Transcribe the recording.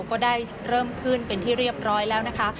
ก็ได้เริ่มขึ้นเป็นที่เรียบร้อยแล้วนะคะ